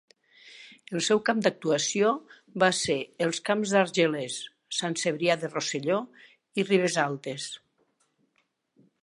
El seu camp d'actuació va ser els camps d'Argelers, Sant Cebrià de Rosselló i Ribesaltes.